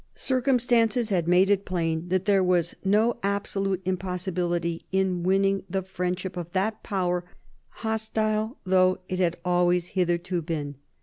Circumstances had made it plain that there was no absolute impossibility in winning the friendship of that Power, hostile though it had always hitherto been.